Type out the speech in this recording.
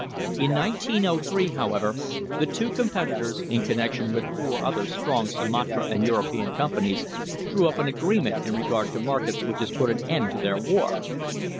In 1903, how ever, the two competitors, in connection with four other strong Sumatra and European companies, drew up an agreement in regard to markets which has put an end to their war.